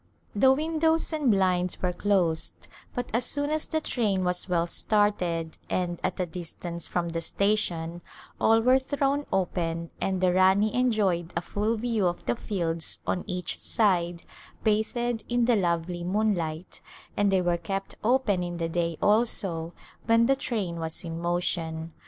The windows and blinds were closed but as soon [•80] A Summer Resort as the train was well started and at a distance from the station all were thrown open and the Rani en joyed a full view of the fields on each side bathed in the lovely moonlight, and they were kept open in the day also when the train was in motion.